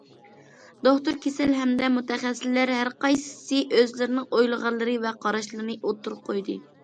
دوختۇر، كېسەل ھەمدە مۇتەخەسسىسلەر ھەر قايسىسى ئۆزلىرىنىڭ ئويلىغانلىرى ۋە قاراشلىرىنى ئوتتۇرىغا قويدى.